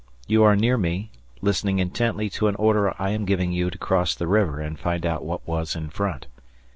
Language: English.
You are near me, listening intently to an order I am giving you to cross the river and find out what was in front.